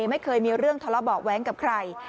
ไม่เคยมีเรื่องทะเลาะเบาะแว้งกับใคร